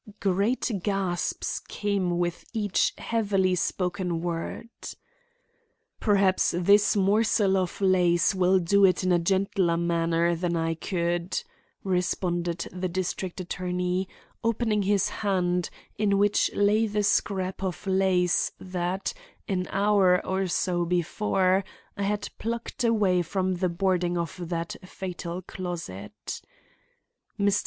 Great gasps came with each heavily spoken word. "Perhaps this morsel of lace will do it in a gentler manner than I could," responded the district attorney, opening his hand, in which lay the scrap of lace that, an hour or so before, I had plucked away from the boarding of that fatal closet. Mr.